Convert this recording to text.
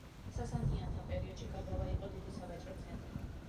სასანიანთა პერიოდში გაბალა იყო დიდი სავაჭრო ცენტრი.